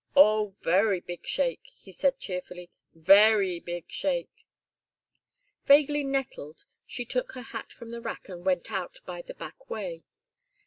"Oh, very big shake," he said, cheerfully. "Very big shake." Vaguely nettled she took her hat from the rack and went out by the back way.